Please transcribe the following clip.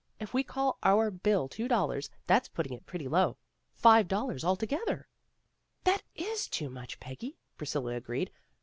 If we call our bill two dollars, that's putting it pretty low. Five dollars, altogether." "That is too much, Peggy," Priscilla agreed.